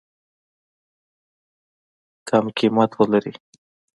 کم قیمت ولري.